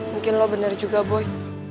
mungkin lo benar juga boy